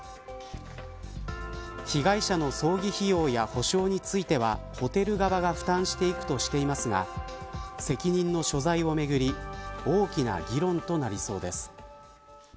被害者の葬儀費用や補償についてはホテル側が負担していくとしていますが責任の所在をめぐり大きな議論となりそうです。